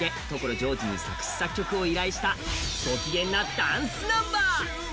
ジョージに作曲を依頼したゴキゲンなダンスナンバー。